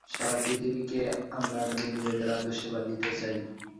সারা পৃথিবীকে আমরা আমাদের নিজেদের আদর্শে বাঁধিতে চাই।